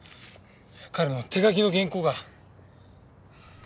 彼の手書きの原稿が。